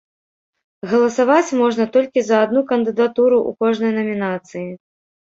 Галасаваць можна толькі за адну кандыдатуру ў кожнай намінацыі.